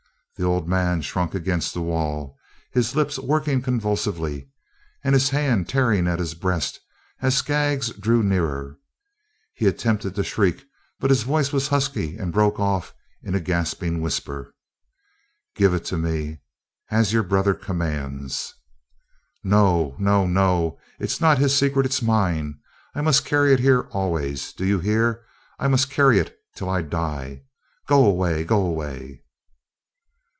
The old man shrunk against the wall, his lips working convulsively and his hand tearing at his breast as Skaggs drew nearer. He attempted to shriek, but his voice was husky and broke off in a gasping whisper. "Give it to me, as your brother commands." "No, no, no! It is not his secret; it is mine. I must carry it here always, do you hear? I must carry it till I die. Go away! Go away!"